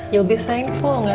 ya udah aku ikut aja